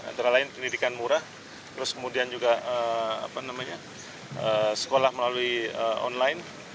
antara lain pendidikan murah terus kemudian juga sekolah melalui online